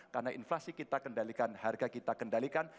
karena inflasi kita kendalikan harga kita kendalikan